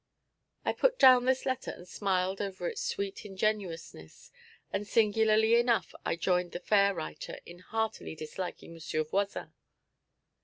I put down this letter and smiled over its sweet ingenuousness, and singularly enough I joined the fair writer in heartily disliking M. Voisin.